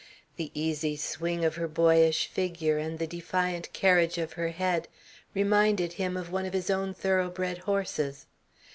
The easy swing of her boyish figure and the defiant carriage of her head reminded him of one of his own thoroughbred horses.